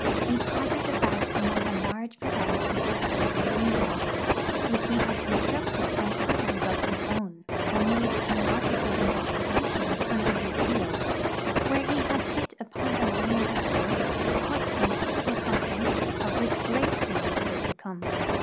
He pottered about among a large variety of baby greenhouses, which he had constructed on patterns of his own, or made geological investigations under his fields, where he had hit upon a vein of quartz or pintz, or something of which great things were to come.